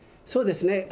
そうですね。